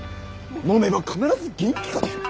飲めば必ず元気が出る！